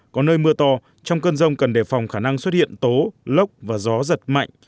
có nơi mưa to trong cơn rông cần đề phòng khả năng xuất hiện tố lốc và gió giật mạnh